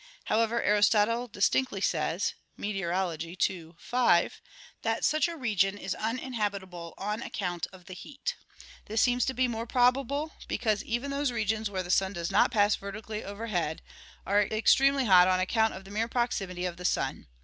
However, Aristotle distinctly says (Meteor. ii, 5) that such a region is uninhabitable on account of the heat. This seems to be more probable; because, even those regions where the sun does not pass vertically overhead, are extremely hot on account of the mere proximity of the sun.